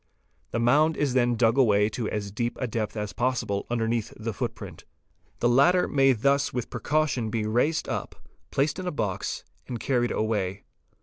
'The mound is then dug away to as deep a depth as possible underneath the footprint. The latter may thus with precaution be raised up, placed in a box, and carried away.